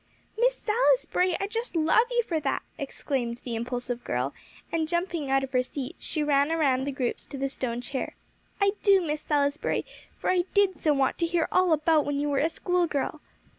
"Miss Salisbury, I just love you for that!" exclaimed the impulsive girl, and jumping out of her seat, she ran around the groups to the stone chair. "I do, Miss Salisbury, for I did so want to hear all about when you were a schoolgirl."